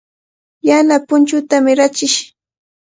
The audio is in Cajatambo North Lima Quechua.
Yana punchuutami rachish.